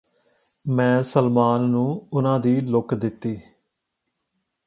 ਮੈਂ ਸਲਮਾਨ ਨੂੰ ਉਨ੍ਹਾਂ ਦੀ ਲੁੱਕ ਦਿੱਤੀ